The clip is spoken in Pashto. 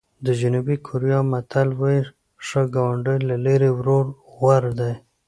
د جنوبي کوریا متل وایي ښه ګاونډی له لرې ورور غوره دی.